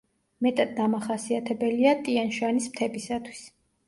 მეტად დამახასიათებელია ტიან-შანის მთებისათვის.